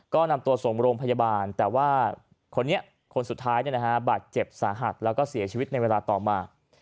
ก็นำตัวส่งโรงพยาบาลแต่ว่าคนนี้คนสุดท้ายบาดเจ็บสาหัสแล้วก็เสียชีวิตในเวลาต่อมา